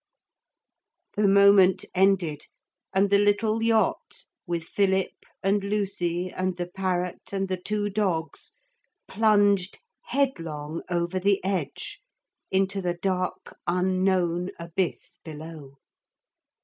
] The moment ended, and the little yacht, with Philip and Lucy and the parrot and the two dogs, plunged headlong over the edge into the dark unknown abyss below.